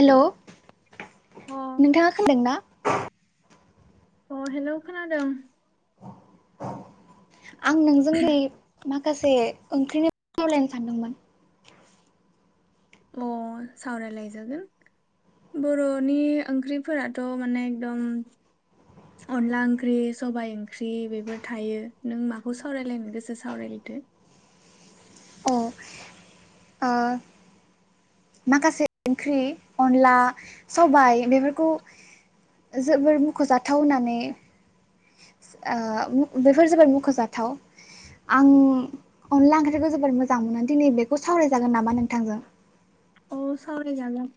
हेल' अ नोंथाङा खोनादोंना अ हेलौ खोनादों आं नोंजों दै माखासे ओंख्रिनि सावरायलायनो सान्दोंमोन अ सावरायलायजागोन बर'नि ओंख्रिफोराथ' माने एकदम अनला ओंख्रि, सबाय ओंख्रि बेफोर थायो नों माखौ सावरायलायनो गोसो सावरायलायदो अ अ माखासे ओंख्रि अनला सबाइ बेफोरखौ जोबोर मुख'जाथाव होननानै ओ बेफोर जाबाय मुख'जाथाव आं अनला ओंख्रिखौ जोबोर मोजां मोनो दिनै बेखौ सावरायजागोन नामा नोंथांजों अ सावराय जागोन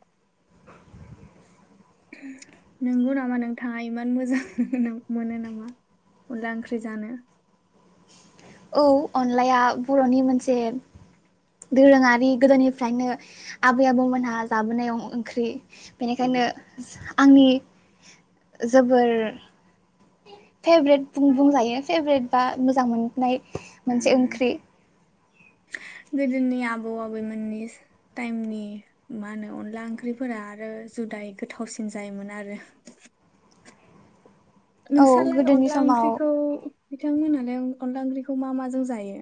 नंगौ नामा नोंथाङा इमान मोजां मोनो नामा अनला ओंख्रि जानो औ अनलाया बर'नि मोनसे दोरोङारि गोदोनिफ्रायनो आबै आबौमोनहा जाबोनायाव ओंख्रि बेनिखायनो आंनि जोबोर फेभ्रेट बुंजायो फेभ्रेट बा मोजां मोननाय मोनसे उम ओंख्रि गोदोनि आबौ आबैमोननि टाइमनि मा होनो अनला ओंख्रिफोरा आरो जुदायै गोथावसिन जायोमोन आरो औ नोंसालाय गोदोनि अनला समाव ओंख्रिखौ बिथांमोनालाय अनला ओंख्रिखौ मा माजों जायो?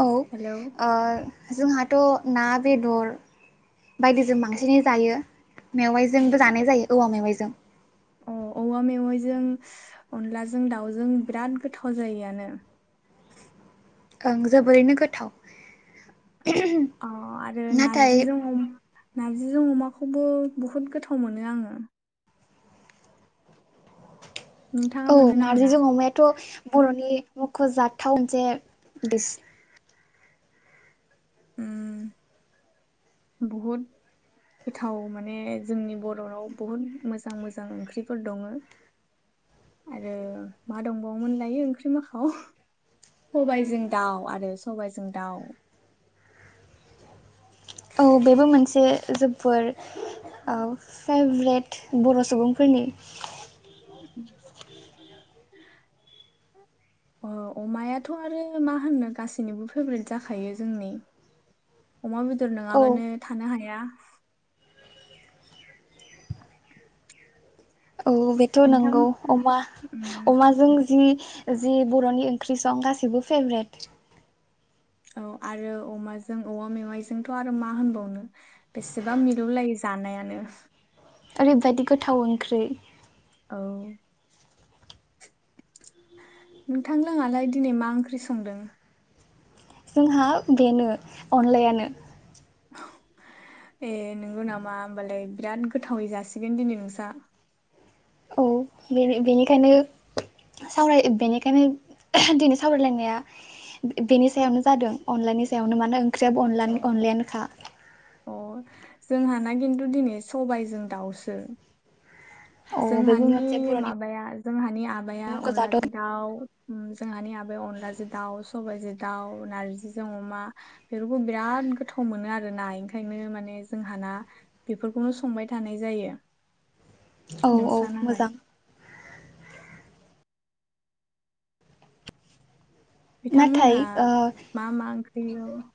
औ हेलौ ओ जोंहाथ' ना बेदर बायदिजों बांसिनै जायो। अ मेवाइजोंबो जानाय जायो औवा मेवाइजों जों अ औवा मेवाइजों अनलाजों दाउजों बिराद गोथाव जायोआनो ओं जोबोरैनो गोथाव अ आरो नाथाय नार्जिजों हम नारजिजों अमाखौबो बहुद गोथाव मोनो आङो नोंथाङा औ मोनो ना मोना नारजिजों अमायाथ' बर'नि मुख'जाथाव मोनसेे दिस उम बहुद गोथाव माने जोंनि बर'नाव बहुद मोजां मोजां ओंख्रिफोर दङ आरो मा दंबावोमोन लायो ओंख्रि माखाव सबायाइजों दाउ आरो सबाइजों दाउ औ बेबो मोनसे जोबोर फेभ्रेट बर' सुबुंफोरनि अमायाथ' आरो मा होनो गासैनिबो फेभ्रेट जाखायो जोंनि अमा बेदर औ नङाबानो थानो हाया [inaudible] औ बेथ' नोंथां नंगौ अमा उम अमाजों जि जि बर'नि ओंख्रि सं गासिबो फेभरेट औ आरो अमाजों औमा मेवाइजोंथ' आरो मा होनबावनो बेसेबा मिलुलायो जानायानो। ओरैबायादि गोथाव ओंख्रि औ नोंथां लोङालाय दिनै मा ओंख्रि संदों? जोंहा बेनो अनलायानो ए नोंगौ नामा ओमबालाय बिराद गोथावै जासिगोन दिनै नोंसा औ बेनिखायनो साव बेनिखायनो दिनै सावरायलायनाया बेनि सायावनो जादों अनलानि सायावनो मानो ओंख्रियाबो अनलायानोखा अ जोंहाना खिन्थु दिनै सबायजों दाउसो औ बेबो मोनसे जोंहानि बर'नि माबाया जोंहानि आबाया मुंख'जाथाव अनलाजों दाउ जोंहानि आबाया अन- अनलाजों दाव सबायजों दाउ नार्जिजों अमा बेफोरखौ बिराद गोथाव मोनो आरोना ओंखायनो माने जोंहाना बेफोरखौनो संबाय थानाय जायो। औ औ नोंस्रानालाय मोजां नाथाय बिथांमोनहा ओ मा मा ओं- [unintelligible]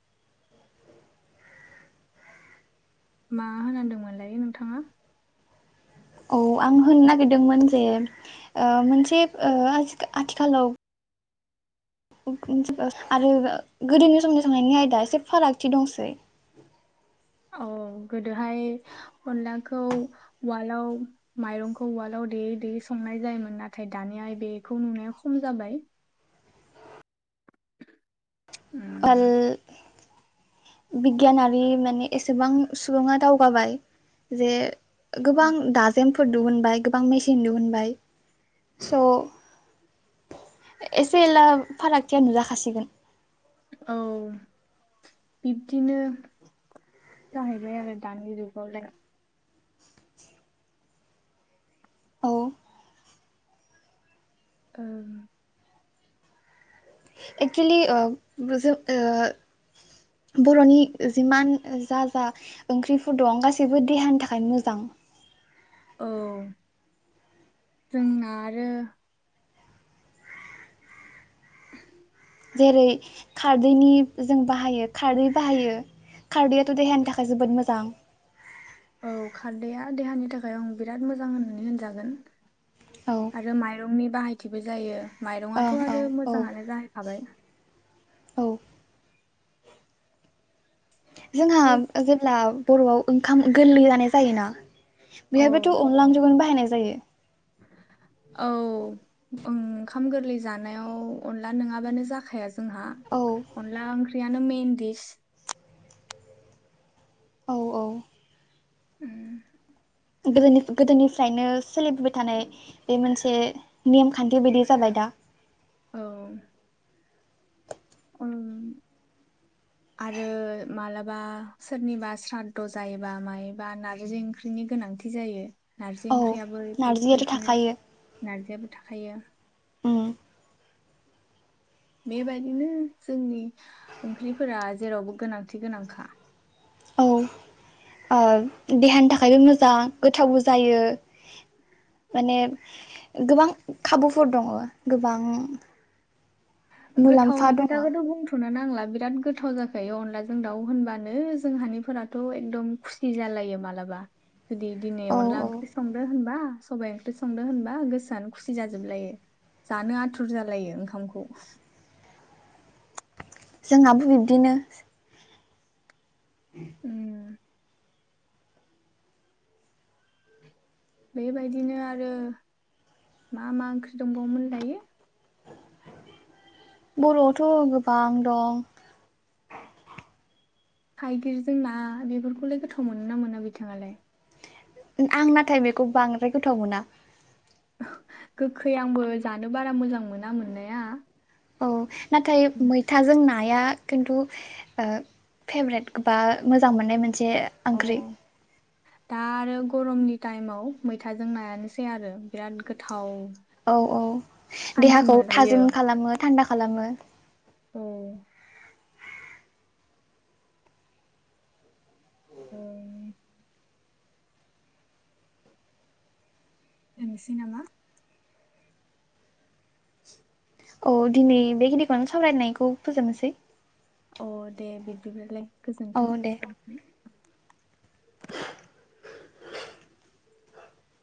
मा होनांदोंमोनलाय नोंथाङा? औ आं होननो नागिरदोंमोन जे मोनसे आथिखालाव आरो गोदोनि समनि संनायनि आयदा एसे फारागथि दंसै औ गोदोहाय अनलाखौ उवालाव माइरंखौ उवालाव देयै देयै संनाय जायोमोन नाथाय दानिया बेखौ नुनाया खम जाबाय। उवाल उम बिगियानारि माने एसेबां सुबुङा दावगाबाय जे गोबां दाजेम फोर दहुनबाय गोबां मेचन दिहुनबाय स' एसे एला फारागथिया नुजाखासिगोन औ बिब्दिनो जाहैबाय आरो दानि जुगावलाय। औ ओ एक्सुलि ओ जों ओ बर'नि जिमान जा जा ओंख्रिफोर दं गासैबो देहानि थाखाय मोजां। औ जोंना आरो जेरै खारदैनि जों बाहायो। खारदै बाहायो खारदैआथ' देहानि थाखाय जोबोद मोजां। औ खारदाया देहानि थाखाय आं बिराद मोजां होननानै होनजागोन। औ आरो माइरंनि बाहायथिबो जायो। ओं माइरङाथ' औ आरो औ मोजाङानो जाहैखाबाय। औ जोंहा बे जेब्ला। बर'आव ओंखाम गोरलै जानाय जायोना। औ बिहायबोथ अनला ओंख्रैखौ बाहायनाय जायो औ ओंखाम गोरलै जानायाव अनला नङाबानो जाखाया जोंहा औ अनला ओं ख्रियानो मेेन देस औ औ उम गोदो गोदोनि गोदोनिफ्रायनो। सोलिबोबाय थानाय बे मोनसे नेमखान्थि बायदि जाबाय दा। औ ओम आरो मालाबा सोरनिबा स्रादद' जायोबा मायोबा नारजि ओंख्रिनि गोनांथि जायो। नारजि औ ओंख्रियाबो नारजियाथ' बेबायदिनो थाखायो नारजियाबो थाखायो। उम बेबायदिनो जोंनि ओंख्रिफोरा जेरावबो गोनांथि गोनांखा। औ ओ देहानि थाखायबो मोजां गोथावबो जायो माने गोबां खाबुफोर दङ गोबां- मुलाम्फा गोथावनि दङ खोथाखौथ' बुंथ'नो नां नांला बिराद गोथाव जाखायो। अनलाजों दाउ होनबानो जोंहानिफोराथ' एकदम खुसि जालायो मालाबा। जुदि दिनै औ औ अनला ओंख्रि संदो‌ होनबा, सबाइ ओंख्रि संदों होनबा गोसोआनो खुसि जाजोबलायो जानो आथुर जालायो ओंखामखौ। जोंहाबो बिब्दिनो। उ बेबायदिनो आरो मा मा ओंख्रि दंबावोमोन लायो? बर'आवथ' गोबां दं। थाइगिरजों ना बेफोरखौलाय गोथाव मोनोना मोनो बिथाङालाय? आं नाथाय बेखौ बांद्राय गोथाव मोना। गोखै आंबो जानो बारा मोजां मोना मोननाया। औ नाथाय मैथाजों ना नाया खिनतु ओ फेभरित बा मोजां मोननाय मोनै जे ओंख्रि दा आरो गरमनि टाइमाव मैथाजों नायानोसै आरो बिराद गोथाव। औ औ सान्थि देहाखौ मोनलायो थाजिम खालामो थान्दा। खालामो औ ओ दोन्नोसै नामा? औ दिनै बेखिनिखौनो सावरायनायखौ फोजोबनोसै। अ दे बिदिब्लालाय, औ गोजोन्थों। दे